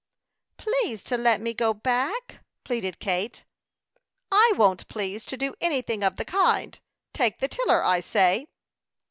"Please to let me go back," pleaded Kate. "I won't please to do anything of the kind. Take the tiller, I say."